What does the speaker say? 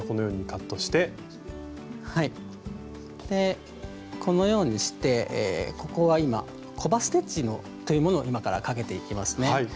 でこのようにしてここは今「コバステッチ」というものを今からかけていきますね。